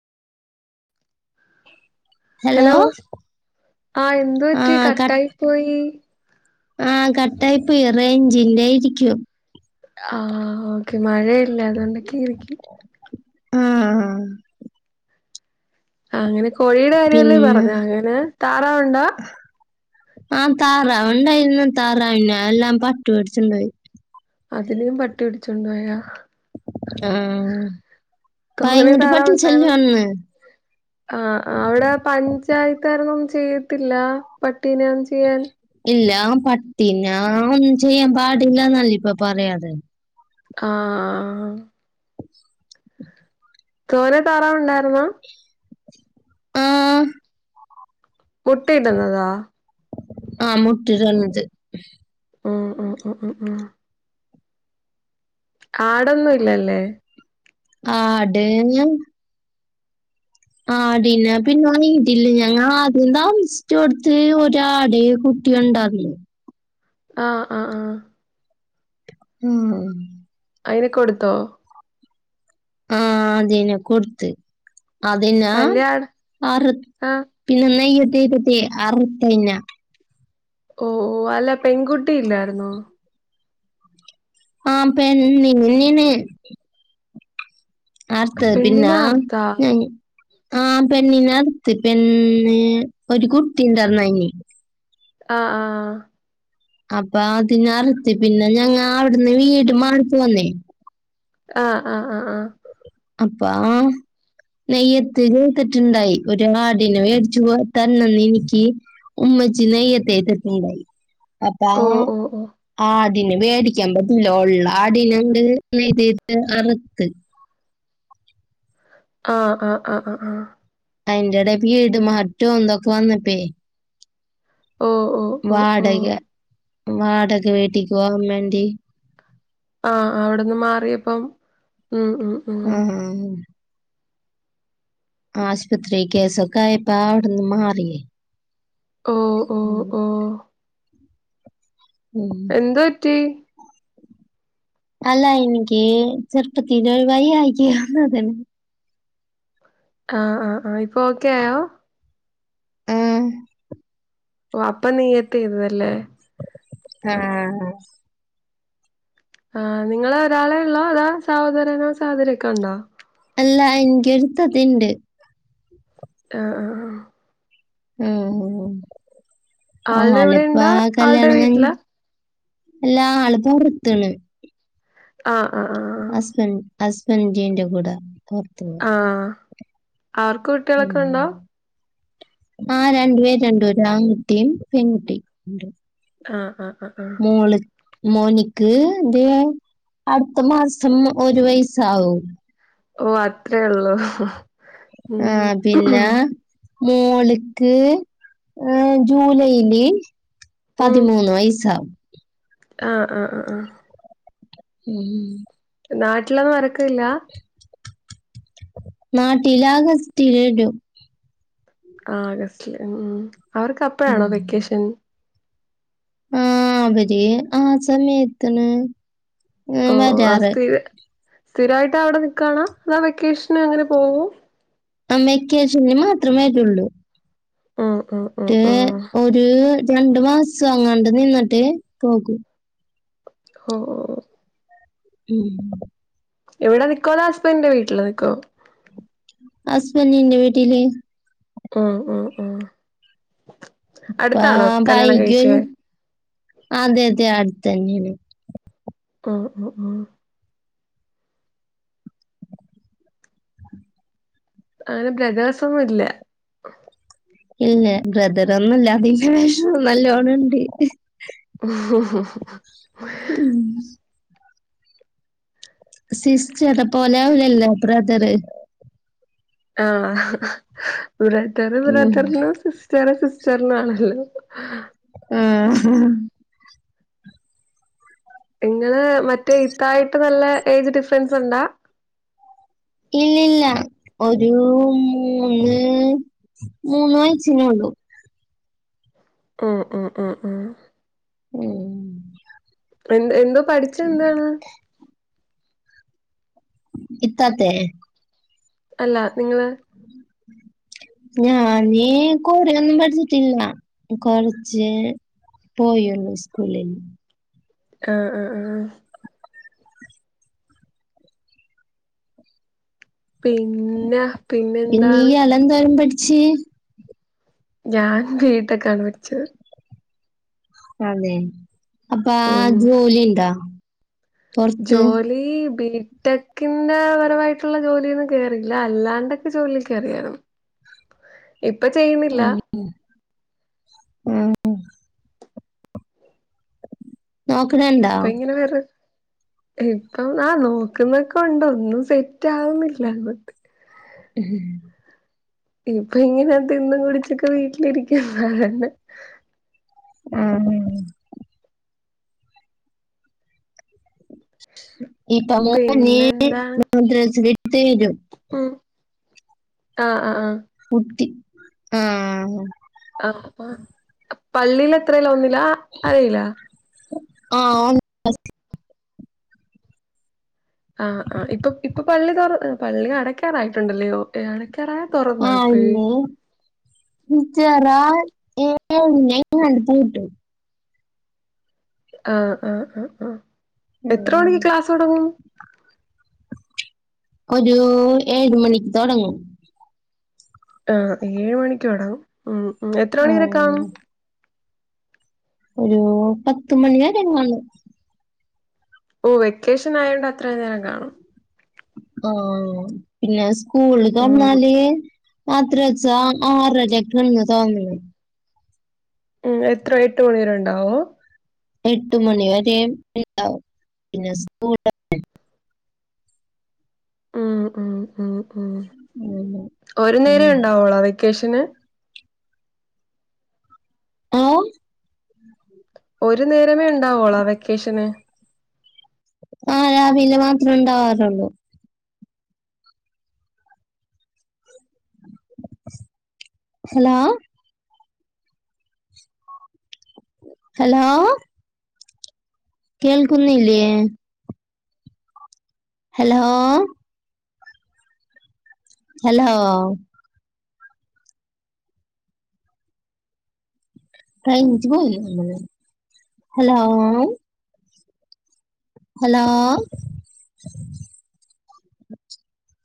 Hello ആഹ് എന്ത് ആ പറ്റി കട്ടായിപ്പോയി ആഹ് കട്ടായിപോയി റൈഞ്ചില്ലായിരിക്കും ആഹ് ഓക്കെ മഴയല്ലേ അതകൊണ്ടൊക്കെരിക്കും ആ അങ്ങനെ കോഴിയുടെ കാര്യല്ലേ പിന്നെ പറഞ്ഞെ, അങ്ങനെ താറാവുണ്ടോ ആഹ് താറാവണ്ടായിരുന്നു. താറാവിനെ എല്ലാം പട്ടി പിടിച്ചണ്ടോയി അതിനെയും പട്ടി പിടിച്ചൊണ്ടോയാ ആഹ് തോനെ ഭയങ്കര താറാവുണ്ടായിരുന്നു പട്ടിശല്യാൺന്ന് ആഹ് ആഹ് അവിടെ പഞ്ചായത്തുകാരൊന്നൊന്നും ചെയ്യത്തില്ല, പട്ടീനെ ഒന്നും ചെയ്യാൻ ഇല്ല, പട്ടിനാ ഒന്നും ചെയ്യാൻ പാടില്ലന്നല്ല ഇപ്പൊ പറിയത് ആഹ് തോനെ താറാവ്ണ്ടാരുന്നോ? ആഹ് കുട്ടി ഇടുന്നതാ ആ മുട്ടിടുന്നദ് ആഹ് ആഹ് അഹ് അഹ് ആഹ് ആടൊന്നും ഇല്ലല്ലേ ആട് യം ആടില്ല പിന്നെ വീട്ടില് ഞങ്ങ ആദ്യം താമസചോട്ത് ഒരാട് കു ട്ടിയുണ്ടാർന്ന് ആഹ് ആഹ് ആഹ് ഉം അയ്ന കൊടുത്തോ? ആഹ് അതിന കൊട്ത്ത് അതിനാ വല്യ ആട് അറ് ആഹ് പിന്നെ നെയ്യെട്ടിറ്റെട്ടി അറ്ത്തയ്നെ ഓ ഓ അല്ല പെൺകുട്ടി ഇല്ലാരുന്നോ? ആപെണ്ണെന്നെണ് അർത്തദ് പിന്നാ പെണ്ണിനെ അർത്താ ഞാൻ ആ പെണ്ണിനർത്ത് പെണ്ണ് ഒരു കുട്ടിണ്ടർന്ന് അയ്ന് ആഹ് ആഹ് അപ്പ അതിന അർത്ത് പിന്നെ ഞങ്ങ അവിടുന്ന് വീട് മാറിപ്പോന്നേ ആഹ് ആഹ് ആഹ് ആഹ് അപ്പാ നെയ്യത്ത് ചെയ്തിട്ടുണ്ടായി ഒരു ആടിനെ വേട്ച്ചു പോ തന്നന്നെനിക്ക് ഉമ്മച്ചി നെയ്യത്തെയ്തിട്ട്ണ്ടായ്ന് അപ്പ ഓ ഓ ഓ ആട് പിന്നെ വേടിക്കാൻ പറ്റില്ലോള്ള ആടിനണ്ട് മേച്ചിട്ട് അറുത്ത് ആഹ് ആഹ് ആഹ് ആഹ് ആഹ് അയിന്റെട വീട് മാറ്റോ എന്തൊക്കെ വന്നപ്പേ ഓ ഓ ഓ ഓ വാടക വാടക വീട്ടിക്ക് പോവാൻ വേണ്ടി ആ അവിടെന്ന് മാറിയപ്പം ഉം ഉം ആഹ് ആഹ് ആശുപത്രി കേസൊക്കെ ആയപ്പ അവിടന്ന് മാറിയേ ഓ ഓ ഓ ഉം എന്ത്‌ പറ്റി അല്ല എനിക്ക് ചർപ്പത്തിലൊരു വയ്യായിക വന്നത ആ ആ ആ ഇപ്പൊ ഓക്കെ ആയോ ആഹ് ഓ അപ്പ നിയ്യത്ത് ചെയ്തതല്ലേ ആഹ് ആനിങ്ങള് ഒരാളെ ഒള്ളോ അതോ സഹോദരനും സഹോദരിയൊക്കെ ഉണ്ടോ അല്ല എൻക്കൊരുത്താത്തയുണ്ട് ആഹ് ആഹ് ആഹ് ഉം ആളുടെ ഇവിടെ ആളിപ്പ ഇണ്ടോ ആളുടെ കല്യാണം കഴിഞ്ഞ് വീട്ടിലാ എല്ലാ ആൾക്കും വൃത്തണ് ആഹ് ആഹ് ആഹ് ഹസ്ബൻഡ് ഹസ്ബൻഡിന്റെ കൂടെ പുറത്താണ് ആ അവർക്ക് കുട്ടികളൊക്കെ ഉണ്ടോ? ആ രണ്ടു പേര് രണ്ടു ഒരാൺകുട്ടിയും പെൺകുട്ടി ആഹ് ആഹ് ആ ആഹ് മോള് മോനിക്ക് ന്തേ അടുത്ത മാസം ഒരു വയസാവും ഓഹ്അത്രേ ഉള്ളൂ ഉം ആഹ പിന്നാ മോള്ക്ക് ഏഹ് ജൂലൈല് പതിമൂന്ന് വയസ്സാവും ആഹ ആഹ് ആഹ ഉം നാട്ടിലൊന്നും വരക്കില്ല നാട്ടില് ആഗസ്റ്റില് വെരും ആഹ് ആഗസ്റ്റില് ഉം അവർക്ക് അപ്പഴാണോ ഉം വെക്കേഷൻ ആഹ് അവര് ആ സമയത്താണ്‌ ഓഹ് ആ സ്ഥി സ്ഥിരായിട്ട് അവിടെ നിക്കാണോ അതാ വെക്കേഷന് അങ്ങനെ പോവോ ആ വെക്കേഷന് മാത്രമേ വരൊള്ളൂ ഉം ഉം ഉം ഇന്നിട്ട് ഉം ഒരു രണ്ട് മാസം അങ്ങാണ്ട് നിന്നിട്ട് പോകും ഓഹ് ഓഹ് ഉം ഇവിടെ നിക്കൊതോ ഹസ്ബന്റിന്റെ വീട്ടില് നിക്കോ ഹസ്ബൻന്റീന്റെ വീട്ടില് ആഹ് ആഹ് ആഹ് ഇപ്പ കല്യാണം വൈക കഴിച്ചേ അതെ അതെ അടുത്ത് തന്നെയാണ് ആഹ് ആഹ് ആഹ് അങ്ങനെ ബ്രദേഴ്സ് ഒന്നും ഇല്ല ഇല്ല ബ്രദറൊന്നുംല്ല അതിന്റെ വെഷമം നല്ലോണംണ്ട് [unintelligible] ഉം സിസ്റ്ററെ പോലെ ആവൂലല്ലോ ബ്രദറ് ആഹ ബ്രതർ ബ്രതർന്ന സി സിസ്റ്ററ് സിസ്റ്ററിനാണല്ലോ ഉം ഇങ്ങള് മറ്റേ ഇത്തായിട്ട് നല്ല ഏജ് ഡിഫറൻസ് ഉണ്ടാ ഇല്ലില്ല ഒരു മൂന്ന് മൂന്ന് വയസിനൊ ഉള്ളു ആഹ് ആഹ് ആഹ് ഉം എന്ത് എന്തോ പഠിച്ച എന്താണ് ഇത്താത്തെേ അല്ല നിങ്ങള് ഞാന് കൊറേ ഒന്നും പഠിച്ചിട്ടില്ല കുറച്ച് പോയൊള്ളൂ സ്കൂളില് ആഹ ആഹ ആഹ പിന്നെ പിന്ന പിന്നെന്താണ് ഇയാള് എന്തോലം പഠിച്ച് ഞാൻ ബി ടെക്ക് ആണ് പഠിച്ചത് അതെ അപ്പ ഉം ജോലിണ്ടാ ജോലി ബീ ടെക്കിന്റെ പരമായിട്ടുള്ള ജോലിയൊന്നും കേയറിയില്ല അല്ലാണ്ടൊക്കെ ജോലിൽ കയറിയായിരുന്നു ഇപ്പൊ ചെയ്യ്ണില്ല ഉം നോക്കണണ്ടോ ഇപ്പൊ ഇങ്ങനെ വേറെ ഇപ്പം നാ നോക്കുന്നക്കെ ഉണ്ട് ഒന്നും സെറ്റ് ആവുന്നില്ല എന്നങ്ങോട്ട് ഉം ഇപ്പൊ ഇങ്ങനത്ത് ഇന്നും കുടിച്ചൊക്കെ വീട്ടിലിരിക്കാെ ആഹ ഉഹ പിന്നെന്താണ് [unintelligible] ഉം ആഹ ആഹ ആഹ പുട്ടി ആഹ ആ പള്ളിൽ എത്രല്ലോ ഒന്നില്ല അറിയില്ല ആഹ ആഹ് ആ് ഇപ്പൊ ഇപ്പൊ പള്ളിറ പള്ളി അടക്കാറായിട്ടുണ്ടല്ലയോ എണിക്കറൻ ആഹ അന്ന്െ [unintelligible] ആഹ ആഹ് ആഹ് ആഹ ഉം ഒരു ഏഴ് മണിക്ക് തുടങ്ങും ആ ഏഴ് മണിിക്ക അടങ്ങും ഉ എത്ര മണി വരെ ഉം. കാണും ഒരു പത്ത മണി വരെങ്ങാണ് ഓ വെക്കേഷൻ ആയൊണ്ട് അത്രയും നേരം കാണും ആഹ് പിന്നെ സ്കൂൾ ഉം തുറന്നാല് അത്ര വച്ചാ ഹാരജക്ന്ന് തോന്നുന്നു ഉം എത്രയൊട്ട് മണിവരെ ഉണ്ടാവും എട്ട് മണി വരെ ഉണ്ടാവും പിന്നെ സ്കൂ ഉം ഉം ഉം ഉം ഉം. ഒരു ഉം. നേരം ഉണ്ടാവോള്ളോ വെക്കേഷന് ആ ഒരു നേരമേ ഉണ്ടാവോളാ വെക്കേഷന് ആ രാവിലെ മാത്രമേ ഉണ്ടാവാറുള്ളൂ ഹലോ ഹലോ കേൾക്കുന്നില്ലേ ഹലോ ഹലോ റെയിഞ്ച് പോയെന്ന് തോന്നുന്നു ഹലോ ഹലോ